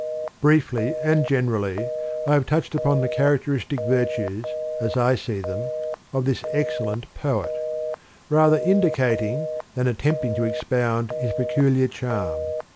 Briefly, and generally, I have touched upon the characteristic virtues, as I see them, of this excellent poet : rather indica ting, than attempting to expound, his pecu liar charm.